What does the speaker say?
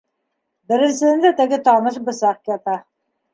Беренсеһендә теге таныш бысаҡ ята.